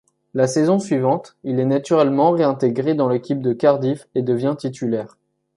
La saison suivante, il est naturellement réintégré dans l'équipe de Cardiff et devient titulaire.